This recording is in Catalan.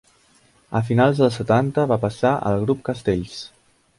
A finals dels setanta va passar al grup Castells.